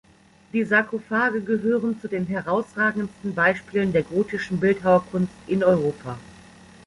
Die Sarkophage gehören zu den herausragendsten Beispielen der gotischen Bildhauerkunst in Europa.